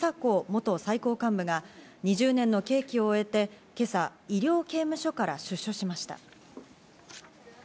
元最高幹部が、２０年の刑期を終えて、今朝、医療刑務所から出所しました。